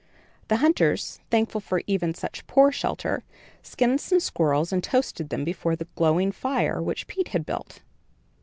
The hunters, thankful for even such poor shelter, skinned some squirrels, and toasted them before the glowing fire, which Pete had built.